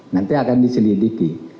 nanti akan diselidiki